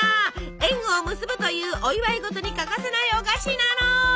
縁を結ぶというお祝い事に欠かせないお菓子なの！